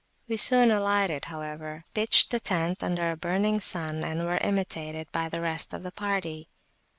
We soon alighted, however, pitched the tent under a burning sun, and were imitated by the rest of the party.